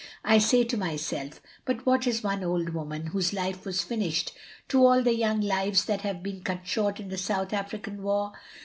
I say to myself — but what is one old old woman, whose life was finished, to all the young lives that have been cut short in the South African War.